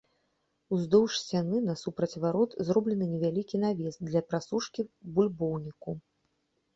Уздоўж сцяны насупраць варот зроблены невялікі навес для прасушкі бульбоўніку.